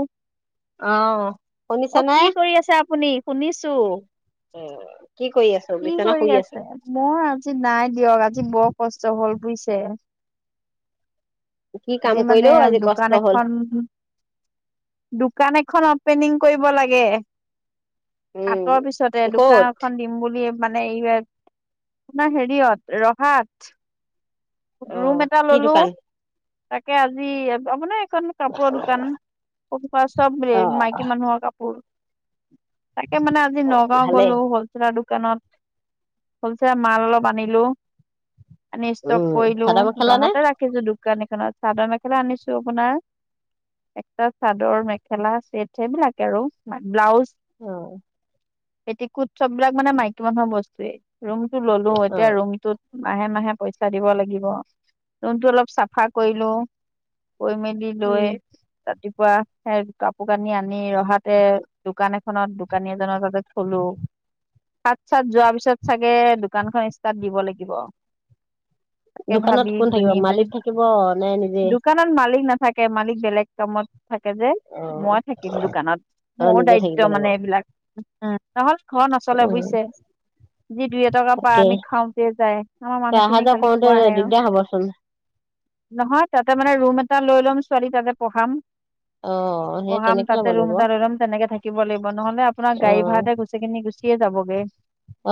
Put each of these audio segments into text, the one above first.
অ অ অ কি কৰি আছে আপুনি শুনিছো। অ কি কৰি আছে মই আজি নাই দিয়ক আজি বৰ কষ্ট হ'ল। বুইছে কি কাম আজি মানে কৰিলেও আজি কষ্ট দোকান হল এখন দোকান। এখন অপেনিং কৰিব লাগে উম কাটৰ পিছতে দোকান ক'ত এখন দিম বুলি মানে এইয়াট আপোনাৰ হেৰিয়ত ৰহাত অ ৰুম এটা কি ললো দোকান তাকে আজি মানে কাপোৰৰ দোকান চব অ মাইকী মানুহৰ কাপোৰ তাকে মানে আজি নগাঁও ভালেই গ'লো হলছেলৰ দোকানত। হলছেল মাল অলপ আনিলো। ষ্টক উম কৰিলো চাদৰ মেখেলা নে দাঙৰপা ৰাখিছো দোকান চাদৰ মেখেলা আনিছো আপোনাৰ একটা চাদৰ মেখেলা চেট সেইবিলাকে আৰু ব্লাউজ। আহ পেটিকোট চববিলাক মানে মাইকী মানুহৰ বস্তুৱেই। ৰুমটো ললো অ এতিয়া ৰুমটোত মাহে মাহে পইচা দিব লাগিব ৰুমটো অলপ চাফা কৰিলো মেলি লৈ ৰাতি কৰা স কাপোৰ কানি আনি ৰহাতে দোকান এখনত দোকানী এজনৰ তাতে থলো। [inaudible] চাত চাত যোৱাৰ পিছত চাগে দোকানখন ষ্টাৰ্ট দিব লাগিব তাকে দোকানত ভাবি কোন থাকিব শুনি বজি মালিক থাকিব নে নিজে দোকানত মালিক নাথ থাকে মালিক বেলেগ কামত। থাকে যে অ মই থাকিম দোকানত অ মোৰ নিজে দায়িত্ব থাকিব লাগিব মানে এইবিলাক। নহ ঘৰ নচলে উম বুজিছে। যি দুই এটকা পায় তাকে আমি খাওঁতে যায় আমাৰ অহা মানুহখিনি যোৱা খালি কৰোতে খোৱাহে আৰু। দিগদাৰ হবচোন নহয় তাতে মানে ৰুম এটা লৈ ল'ম ছোৱালী তাতে পঢ়াম। অ সেই পঢ়াম তেনেকে ল'ব তাতে ৰুম লাগিব এটা লৈ লম তেনেকোক লাগিব নহলে আপোনাৰ অ গাডী ভড়াতে গুচেই খিনি গুচি [unintelligible] সিয়ে যাবগে [unintelligible] [inaudible]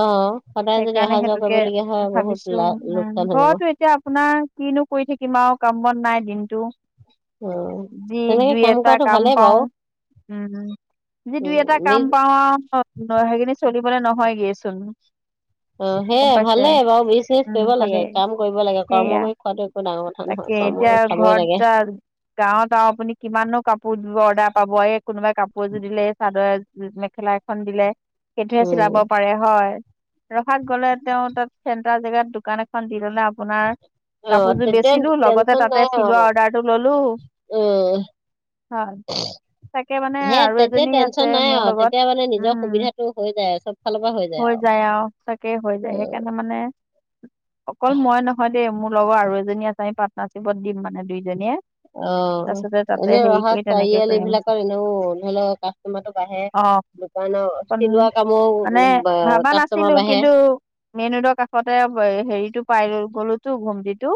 সদায় যদি সেইকাৰণে অহা যোৱা সেইতোকে কৰিবলগীয়া হয় বহুত ভাবিছো। লা উম লোকচান হৈ যাব ঘটো এতিয়া আপোনাৰ কিনো [unintelligible] কৰি থাকিম আৰু কাম বন নাই দিনতটো [unintelligible] উম, যি তেনেকে দুই এটা কৰাটো কাম ভালেই পাওঁ বাৰু। উম যি দুই এটা উম, কাম বিজ পাও সেইখিনি [unintelligible] চলিব নহয় গেইছোন অ সেই ভালেই বাৰু বিচেষ উম কৰিব লাগে ভালেই কাম কৰিব লাগে কৰ্ম সেয়া কৰি খোৱাতটো একো ডাঙৰ কথা নাই [unintelligible] তাকে এতিয়া ঘৰটা গাঁৱত আৰু আপুনি কিমানো কাপোৰ দিব অৰ্ডাৰ [unintelligible] পাব এই কোনোবা কাপোৰ যোৰ দিলে চাদৰ মেখেলা এখন দিলে সেইটো উম। চিলাব [unintelligible] হয় ৰখাত গ'লে তেওঁ তাত চেণ্ট্ৰাৰ জেগাত দোকান এখন দি ললে আপোনাৰ অ [unintelligible] কাপোৰযোৰ তেতিয়া বেচিলো লগতে টেনচন নাই তাতে চিলোৱা আৰু। অৰ্ডাৰটো ললো উম, [unintelligible] হয় তাকে মানে সেই আৰু তেতিয়া এজনী টেনচন আছে নাই মোৰ আৰু লগত তেতিয়া মানে নিজৰ উম সুবিধাটো হৈ যায় চব ফালৰ পৰা হৈ যায় আৰু চাকে হৈ যায় সেইকাৰণে মানে অকল মই নহয় দেই মোৰ লগৰ আৰু এজনী আছে আমি পাৰ্টনাচিপত দিম মানে দুইজনীয়ে অ তাৰপিছতে তাতে এনে হেৰি ৰহা কৰি তেনেকে চাৰিআলি কৰিম এইবিলাকৰ এনেও ধৰি লওক কাষ্টমাৰটো বাঢ়ে অ [unintelligible] দোকানৰ অকণ চিলোৱা কামত মানে ভাবা নাছিলো কিন্তু মেইনৰোঁদৰ কাষতে হেৰিটো [unintelligible] পাই গ'লোতো ঘুমদিতো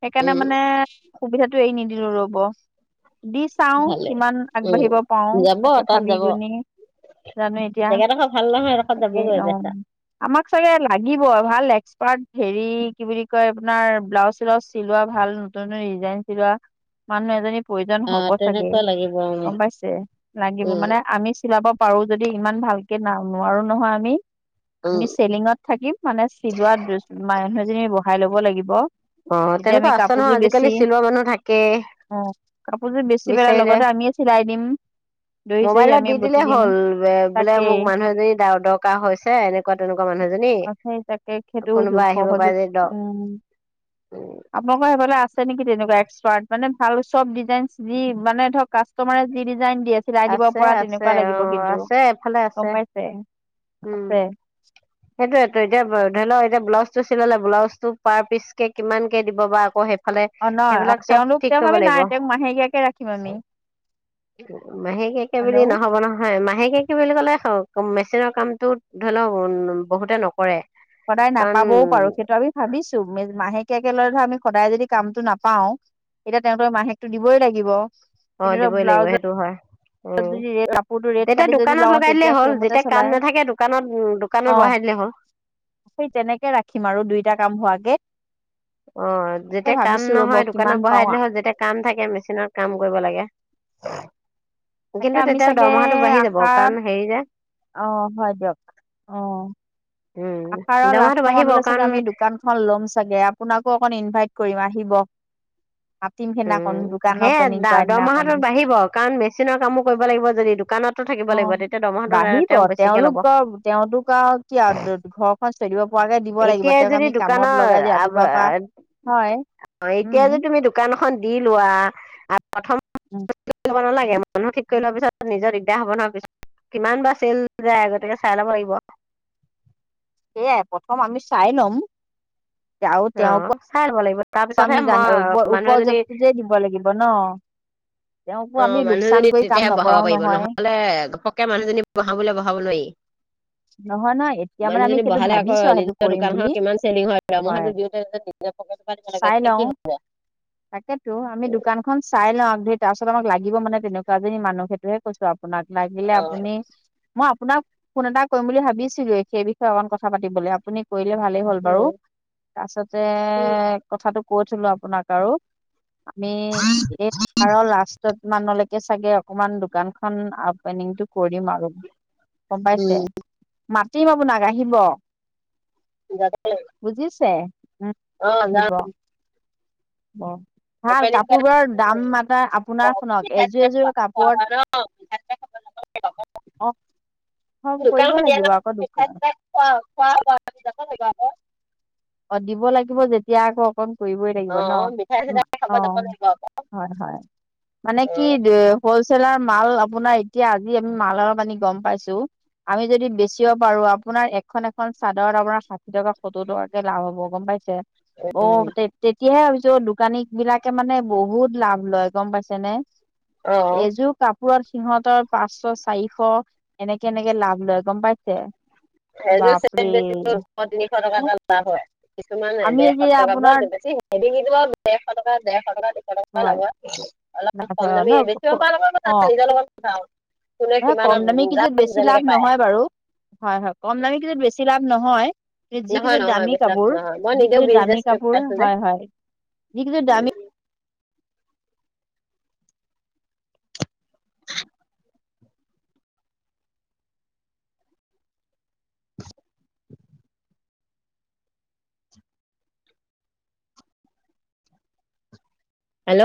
সেইকাৰণে উম মানে [unintelligible] সুবিধাটো এই নিদিলো ৰ'ব [unintelligible] দি চাও ভালে। কিমান উম, আগবাঢ়িব পাৰো তাকে ভাবি গুনি [unintelligible] এতিয়া জেগা দেখৰ ভাল নহয় [unintelligible] তাকে অ বেচা আমাক চাগে লাগিব ভাল এক্স হেৰি কি বুলি কয় আপোনাৰ ব্লাউজ চ্লাউজ চিলোৱা ভাল নতুন নতুন ডিজাইন চিলোৱা [unintelligible] মানুহ এজনী প্ৰয়োজন অ হব চাগে তেনেকুৱা লাগিব উম গম পাইছে লাগিব উম মানে আমি চিলাব [unintelligible] পাৰো যদি ইমান ভালকে ন নোৱাৰো নহয় আমি [unintelligible] উম আমি চেলিঙত থাকিম মানে চিলাত দু মানুহজনী বহাই লব লাগিব [unintelligible] অ তেতিয়া আমি তেনেকুৱা আছে নহয় কাপোৰযোৰ বেছি আজিকালি চিলোৱা মানুহ থাকে [unintelligible] অ কাপোৰযোৰ বেছিবলে লগতে আমিয়ে চিলাই দিম [unintelligible] চহি মোবাইলত আমি দি বটি দিলেই দিম হ'ল বোলে তাকেই মোক মান [unintelligible] দি দৰকাৰ হৈছে এনেকুৱা তেনেকুৱা মানুহ [unintelligible] সেই তাকে সেইটো কোনোবা আহিব পাৰে সহযোগ যদি দক উম উম, আপোনালোকৰ এবাৰ [unintelligible] আছে নেকি তেনেকুৱা মানে ভাল চব ডিজাইন যি মানে ধৰ কাষ্টমাৰ [unintelligible] ডিজাই দিয়ে চিলাই দিব আছে পৰা আছে তেনেকুৱা অ লাগিব কিন্তু আছে এফালে আছে গম পাইছে [unintelligible] উম আপৰে [unintelligible] সেইটোয়েতো এতিয়া ধৰি লও এতিয়া ব্লাউজটো চিলালে ব্লাউজ টো পাৰ পিচ কে কিমান কে দিব বা আকৌ [unintelligible] ফালে অ নহয় অ সেইবিলাক চব তেওঁলোক ঠিক তেওঁক কৰিব আমি লাগিব নাই তেওঁক মাহেকীয়াকে ৰাখিম আমি মাহেককে বুলি হ'লেও নহব নহয় মাহেককে বুলি কলে হওক [unintelligible] মেচিনৰ কামতো ধৰি লওক উ বহুতে নকৰে সদায় কাৰণ নাপাবও পাৰো সেইটো আমি ভাবিছো মাহেক াকে লৈ ধৰ আমি সদায় যদি কামতটো নাপাও এতিয়া তেওঁতৰ মাহেকটো দিবই লাগিব [unintelligible] অ কিন্তু ধৰক দিবই লাগিব ব্লাউজত সেইটো হয় উম যদি কাপোৰটো ৰেট কাটি তেতিয়া যদি দোকানত লওঁ লগাই দিলেই তেতিয়া হ'ল সেইমতে যেতিয়া কাম চলাই নাথাকে দোকানত উ দোকানত অ বঢ়াই দিলে [unintelligible] অ সেই তেনেকে ৰাখিম আৰু দুইটা কাম হোৱা [unintelligible] অ যেতিয়া কাম ভাবিছো ৰ'ব নহয় কিমান দোকানৰ বহাই পাওঁ দিলে হ'ল যেতিয়া কাম থাকে [unintelligible] মেচিনত কাম কৰিব লাগে তাকে কিন্তু আমি তেতিয়াও চাগে দৰমহাটো বাঢ়ি যাব আষাৰত কাৰণ হেৰি যে অ হয় দিয়ওক অ উম আহাৰৰ দৰমহাটো লাষ্ট বাঢ়িব মানলৈ কাৰণ চাগে আমি দোকানখন লম চাগে আপোনাক অক ইনভাইট কৰিম আহিব মাতিম সেইদিনাখন উম দোকান সেয় অপেনিং দ কৰা দিনাখন দৰমাহটো বাঢ়িব কাৰণ মেচিনৰ কামো কৰিব লাগিব যদি দোকানতো থাক অ বাঢ়িব তেওঁলোক তেওঁলোকাৰ আৰু কি ঘৰখন চলিব পোৱাকে দিব লাগিব এতিয়াই তেওঁক যদি আমি কামত লগাই দি ৰাতিপুৱা পৰা হয় অ উম এতিয়া যে তুমি দোকানখন দি লোৱা আৰু প্ৰথম উম [unintelligible] নালাগে তেওঁ মানুহ ঠিক কৰি লোৱাৰ পিছত নিজৰ দিগদাৰ হ'ব নোহোৱাৰ পিছত কিমান বাৰ চেল যায় আগতিকে চাই ল'ব লাগিব [inaudible] সেয়াই প্ৰথম আমি চাই লম আৰু অ তেওঁকো চাই ল'ব লাগিব তাৰপিছতহে আমি জানো উপ মই মানুহ এজনী উপযোগটো যে দিব লাগিব ন তেওঁকো অ আমি লোকচান মানুহজনী কৰি কাম তেতিয়াহে বহাব নকৰাও পাৰিব নহয় নহলে ঘপকে মানুহজনী বহাবলৈ বহাব নোৱাৰি নহয় নহয় এতিয়া মানে আমি মানুহজনী সেইটো বহালে আকৌ ভাবিছো আৰু সেইটো নিজৰ কৰিম দোকান বুলি খনৰ কিমান চেলিং হয় দৰমহাটো দিওঁতে নিজৰ পকেটৰ পৰা দিব লাগে চাই তেতিয়া লওঁ কি হ'ব তাকেতো আমি দোকানখন চাই লওঁ আজি তাৰ পাছত আমাক লাগিব মানে তেনেকুৱা এজনী মানুহ সেইটোহে কৈছো আপোনাক লাগিলে অ আপুনি মই আপোনাক ফোন এটা কৰিম বুলি ভাবিছিলোৱে সেই বিষয়ে অকণ কথা পাতিবলৈ আপুনি কৰিলে ভালেই হ'ল বাৰু উম তাৰপাছতে কথাটো কৈ থলো আপোনাক আৰু আমি এই আহাৰৰ লাষ্ট ত মানলৈকে চাগে অকমান দোকানখন অপেনিংটো কৰিম আৰু গম পাইছে উম মাতিম আপোনাক আহিব বুজিছে উ অ আহিব হ'ব ভাল কাপোৰ বোৰৰ অপেনিং দাম মান আপোনাৰ খনক মিঠাই এযোৰ চিঠাই এযোৰ কাপোৰত খোৱা [inaudible] অ [unintelligible] অ দিব লাগিব যেতিয়া আকৌ অকণ কৰিবই লাগিব অ ন মিঠাই চিঠাই খাব অ যাব লাগিব আকৌ হয় হয় মানে অ কি হলচেলাৰ মাল আপোনাৰ এতিয়া আজি আমি মালৰ পানি গম পাইছো আমি যদি বেচিব পাৰো আপোনাৰ এখন এখন চাদত আপোনাৰ ষাঠি টকা সত্তৰ টকাকে লাভ হ'ব গম পাইছে অঔ হতে টিপ টিপ তেতিয়াহে ভাবিছো দোকানী বিলাকে মানে বহুত লাভ লয় গম পাইছে নে অ এইযোৰ কাপ পোৰত সিহঁতৰ পাঁচশ চাৰিশ এনেকে এনেকে লাভ লয় গম পাইছে সেইযোৰ চেত বাপৰে বেছি দুশ তিনিশ টকা এটা হয় কিছুমান নাই আমি ডেৰশ এতিয়া টকা বা আপোনাৰ বেছি হেৰি কি ডেৰশ টকা ডেৰশ টকা হয় ল অলপ লাভ কম হয় দমি ন বেছি পৰা লব নিজৰ লগত কথা আৰু কোনে ন কম কিমানত দামী কিজোত যাক বেছি লাভ যেনেকে পায় নহয় বাৰু হয় হয় কম দামী কিযোত বেছি লাভ নহয় যি নহয় কিযো নহয় দামী বেছি লাভ কাপোৰ নহয় মই যি নিজেও কিযো বিজনেছ দামী কৰি কাপোৰ পাইছো যে হয় হয় যি কিজো দামি [inaudible] হেল্ল'